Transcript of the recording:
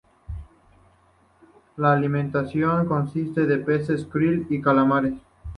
La alimentación consiste de peces, kril y calamares.